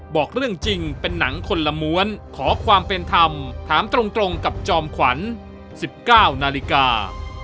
บอกเรื่องจริงเป็นหนังคนละม้วนขอความเป็นธรรมถามตรงกับจอมขวัญ๑๙นาฬิกา